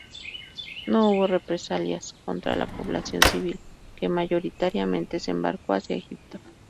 No hubo represalias contra la población civil, que mayoritariamente se embarcó hacia Egipto.